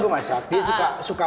mbak shanti suka